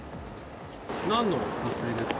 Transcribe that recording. なんのコスプレですか？